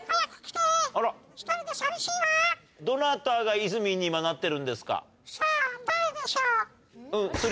どなたがいずみんに今なってるんですか？